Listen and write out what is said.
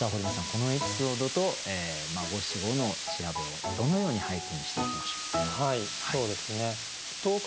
このエピソードと五七五の調べをどのように俳句にしていきましょう？